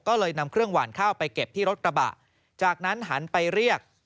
ก็เลยนำเครื่องหวานข้าวไปเก็บที่รถกระบะจากนั้นหันไปเรียก